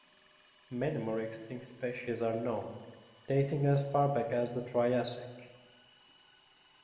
Many more extinct species are known, dating as far back as the Triassic.